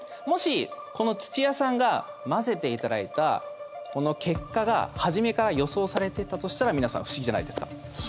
もしこの土屋さんが交ぜて頂いたこの結果が初めから予想されてたとしたら皆さん不思議じゃないですか？